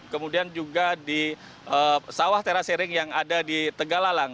kemudian juga di sawah terasering yang ada di tegalalang